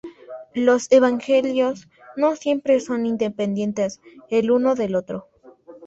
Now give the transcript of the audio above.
Los evangelios no siempre son independientes el uno del otro.